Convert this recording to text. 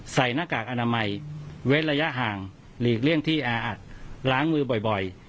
หน้ากากอนามัยเว้นระยะห่างหลีกเลี่ยงที่แออัดล้างมือบ่อย